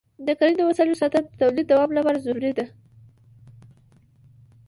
د کرني د وسایلو ساتنه د تولید دوام لپاره ضروري ده.